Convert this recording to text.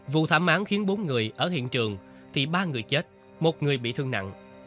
vụ thảm án khiến bốn người ở hiện trường thì ba người chết một người bị thương nặng